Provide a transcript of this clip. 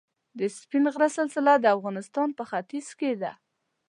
د سپین غر سلسله د افغانستان په ختیځ کې ده.